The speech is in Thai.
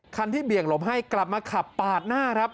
ที่เบี่ยงหลบให้กลับมาขับปาดหน้าครับ